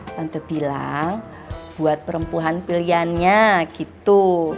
tante bilang buat perempuan pilihannya gitu